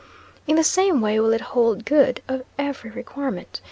In the same way will it hold good of every requirement.